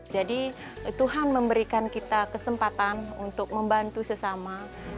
jadi tuhan memberikan kita kesempatan untuk membantu sesama